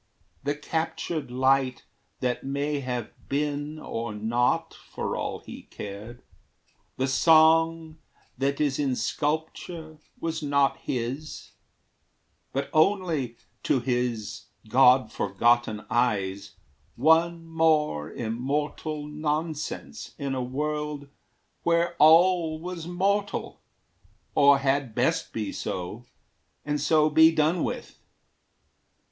The captured light That may have been or not, for all he cared, The song that is in sculpture was not his, But only, to his God forgotten eyes, One more immortal nonsense in a world Where all was mortal, or had best be so, And so be done with.